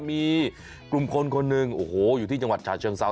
มีกลุ่มคนคนหนึ่งโอ้โหอยู่ที่จังหวัดฉะเชิงเซา